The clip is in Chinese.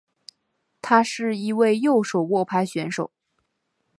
他是一位右手握拍选手。